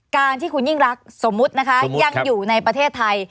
การที่คุณยิ่งรักสมมุตินะคะยังอยู่ในประเทศไทย